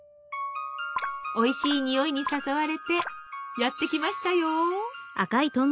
おいしい匂いに誘われてやって来ましたよ。